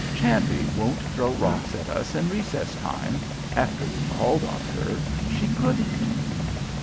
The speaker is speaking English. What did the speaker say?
Champe won't throw rocks at us in recess time, after we've called on her. She couldn't."